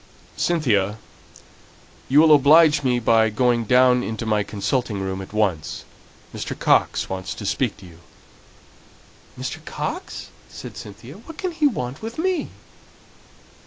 "Cynthia, you will oblige me by going down into my consulting room at once. Mr. Coxe wants to speak to you!" "Mr. Coxe?" said Cynthia. "What can he want with me?"